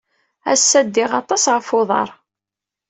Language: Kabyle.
Ass-a, ddiɣ aṭas ɣef uḍar.